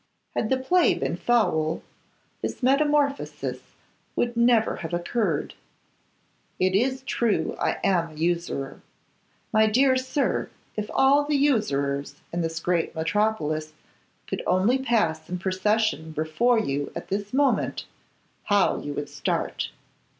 Had the play been foul, this metamorphosis would never have occurred. It is true I am an usurer. My dear sir, if all the usurers in this great metropolis could only pass in procession before you at this moment, how you would start!